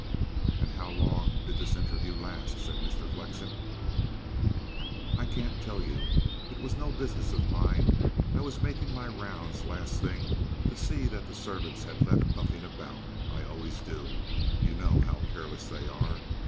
"And how long did this interview last?" said Mr. Flexen. "I can't tell you. It was no business of mine. I was making my round last thing to see that the servants had left nothing about. I always do. You know how careless they are.